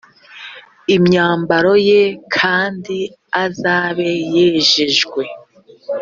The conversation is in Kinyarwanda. imyambaro ye kandi azabe yejejwe